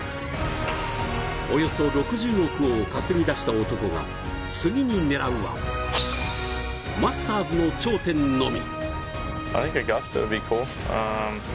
およそ６０億を稼いだ男が次に狙うはマスターズの頂点のみ。